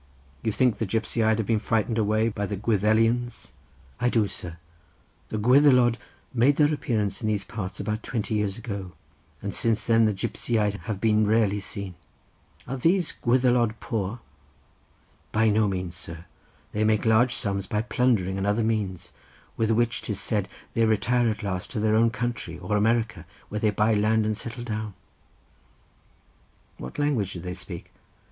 "You think the Gipsiaid have been frightened away by the Gwyddelians?" "I do, sir; the Gwyddelod made their appearance in these parts about twenty years ago, and since then the Gipsiaid have been rarely seen." "Are these Gwyddelod poor?" "By no means, sir; they make large sums by plundering and other means, with which, 'tis said, they retire at last to their own country or America, where they buy land and settle down." "What language do they speak?"